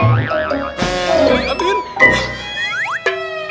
tidak tidak tidak